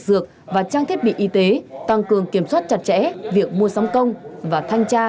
dược và trang thiết bị y tế tăng cường kiểm soát chặt chẽ việc mua sắm công và thanh tra